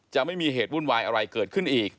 ไม่มีเหตุวุ่นวายอะไรเกิดขึ้นอีก